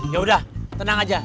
yaudah tenang aja